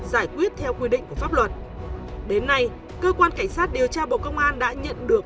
giải quyết theo quy định của pháp luật đến nay cơ quan cảnh sát điều tra bộ công an đã nhận được